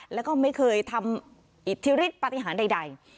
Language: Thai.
แล้วก็ไม่เคยทำอิทธิฤทธิปฏิหารใด